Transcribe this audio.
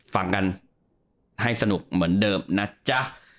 ฟังกันให้สนุกเหมือนเดิมนะจ๊ะ